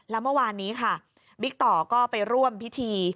แล้วเมื่อวานนี้ค่ะบิ๊กต่อก็ไปร่วมพิธี